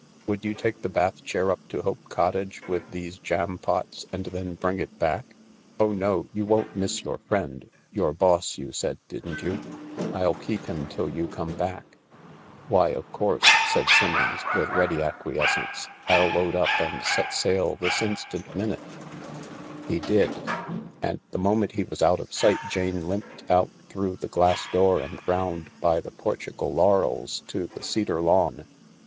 Would you take the bath chair up to Hope Cottage, with these jampots, and then bring it back ? Oh no, yon won't miss your friend^ y6ur boss, you said, didn't you ? I'll keep him till you come back." "Why, of course," said Simmons, with ready acfluies cence. " I'll load tip and set sail this instaflt tnintte.' He did. And t~e moment he was out 6i sight Jane limped out through the glass door and round by the Portugal laurels to the cedar lawn.